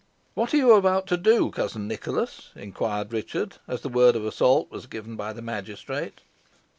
"What are you about to do, cousin Nicholas?" inquired Richard, as the word of assault was given by the magistrate.